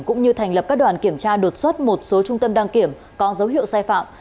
cũng như thành lập các đoàn kiểm tra đột xuất một số trung tâm đăng kiểm có dấu hiệu sai phạm